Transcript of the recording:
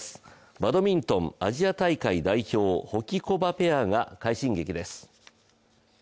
バドミントンアジア大会代表、ホキコバペアが快進撃です。